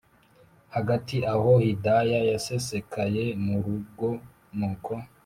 hagati aho hidaya yasesekaye murugo nuko